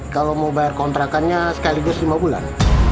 kalau mau bayar kontrakannya sekaligus lima bulan